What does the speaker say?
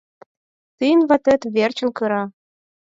Тыйын ватет верчын кыра!..